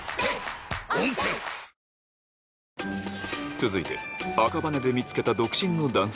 続いて赤羽で見つけた独身の男性